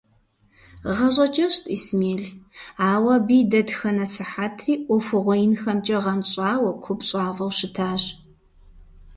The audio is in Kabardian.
ГъащӀэ кӀэщӀт Исмел, ауэ абы и дэтхэнэ сыхьэтри Ӏуэхугъуэ инхэмкӀэ гъэнщӀауэ, купщӀафӀэу щытащ.